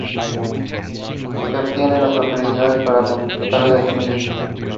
Did they take it with them?